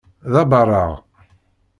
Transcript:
D abaṛeɣ.